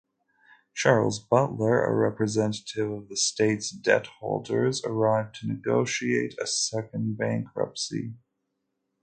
Charles Butler, a representative of the state's debt-holders, arrived to negotiate a second bankruptcy.